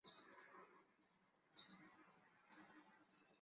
辐叶形软珊瑚为软珊瑚科叶形软珊瑚属下的一个种。